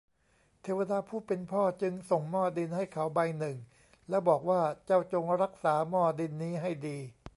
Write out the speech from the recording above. เทวดาผู้เป็นพ่อจึงส่งหม้อดินให้เขาใบหนึ่ง แล้วบอกว่า เจ้าจงรักษาหม้อดินนี้ให้ดี